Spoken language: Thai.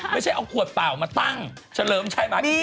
ไม่ใช่เอาขวดเปล่ามาตั้งเฉลิมชัยมากิน